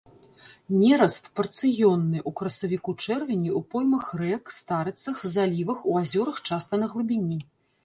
Нераст парцыённы ў красавіку-чэрвені ў поймах рэк, старыцах, залівах, у азёрах часта на глыбіні.